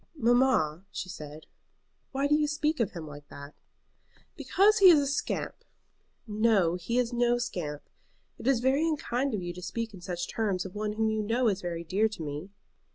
"Mamma," she said "why do you speak of him like that?" "Because he is a scamp." "No, he is no scamp. It is very unkind of you to speak in such terms of one whom you know is very dear to me."